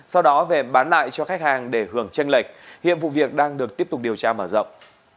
sau đó về bán lại cho khách hàng để hưởng tranh lệch hiện vụ việc đang được tiếp tục điều tra mở rộng